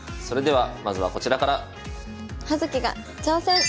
それではまずはこちらから。